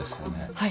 はい。